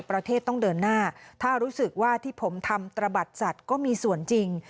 ประเทศต้องเดินหน้าถ้ารู้สึกว่าที่ผมทำตระบัดสัตว์ก็มีส่วนจริง